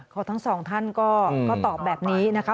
เขาทั้งสองท่านก็ตอบแบบนี้นะคะ